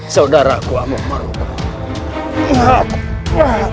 saudaraku amuk marugul